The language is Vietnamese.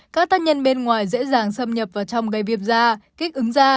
các tác nhân bên ngoài dễ dàng xâm nhập vào trong gây viêm da kích ứng da